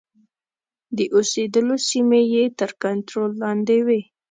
د اوسېدلو سیمې یې تر کنټرول لاندي وې.